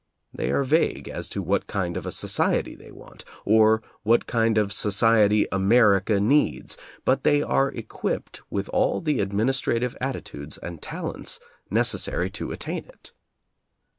They are vague as to what kind of a society they want, or what kind of society America needs, but they are equipped with all the administrative atti tudes and talents necessary to attain it.